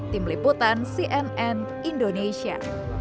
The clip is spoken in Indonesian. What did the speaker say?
tim liputan cnn indonesia